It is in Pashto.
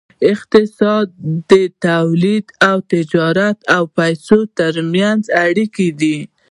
اقتصاد د تولید او تجارت او پیسو ترمنځ اړیکه ده.